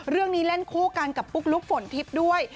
เรื่องนี้เล่นคู่กันกับปุ๊กลุ๊กฝนทิศด้วย